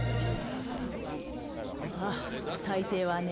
まあ大抵はね。